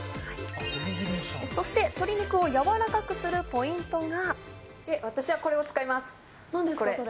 鶏肉をやわらかくするポイントが。